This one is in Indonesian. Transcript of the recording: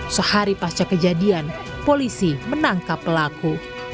sehari pasca kejadian polisi menangkap pelaku